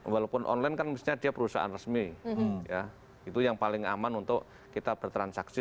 walaupun online kan misalnya dia perusahaan resmi ya itu yang paling aman untuk kita bertransaksi